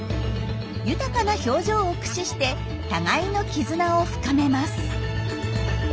豊かな表情を駆使して互いの絆を深めます。